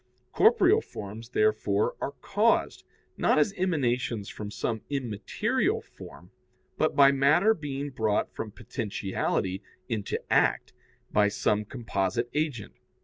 Corporeal forms, therefore, are caused, not as emanations from some immaterial form, but by matter being brought from potentiality into act by some composite agent.